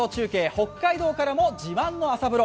北海道からも自慢の朝風呂。